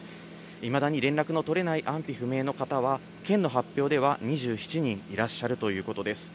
いまだに連絡の取れない安否不明の方は、県の発表では、２７人いらっしゃるということです。